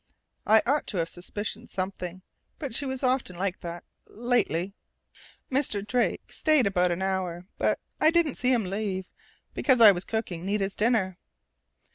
I ought to have suspicioned something, but she was often like that lately. Mr. Drake stayed about an hour. I didn't see him leave, because I was cooking Nita's dinner....